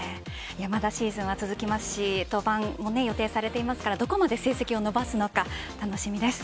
まだシーズンは続きますし登板も予定されていますからどこまで成績を伸ばすのか楽しみです。